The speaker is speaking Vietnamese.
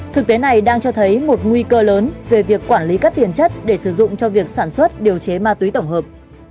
thực tế này đang cho thấy một nguy cơ lớn về việc quản lý các tiền chất để sử dụng cho việc sản xuất điều chế ma túy tổng hợp